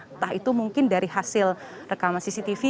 entah itu mungkin dari hasil rekaman cctv